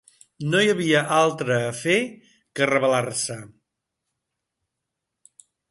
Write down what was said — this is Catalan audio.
No hi havia altre a fer que rebel·lar-se.